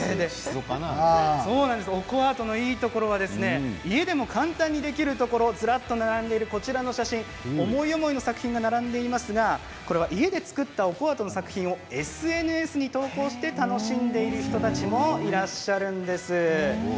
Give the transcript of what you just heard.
オコアートのいいところは家でも簡単にできるところずらっと並んでいるこちらの写真思い思いの作品が並んでいますが家で作ったオコアートの作品をＳＮＳに投稿して楽しんでいる人たちもいらっしゃるんです。